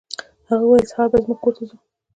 هغه وویل سهار به زموږ کور ته ځو.